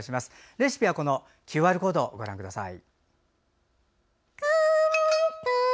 レシピはＱＲコードからご覧ください。